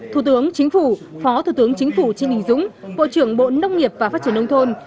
thủ tướng chính phủ phó thủ tướng chính phủ trịnh đình dũng bộ trưởng bộ nông nghiệp và phát triển nông thôn